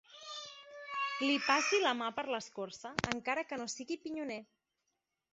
Li passi la mà per l'escorça, encara que no sigui pinyoner.